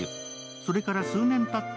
それから数年たった